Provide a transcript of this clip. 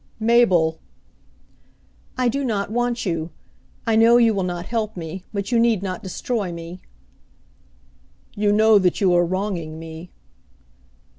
"Mabel!" "I do not want you. I know you will not help me, but you need not destroy me." "You know that you are wronging me."